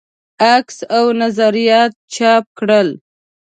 عکس او نظریات چاپ کړل.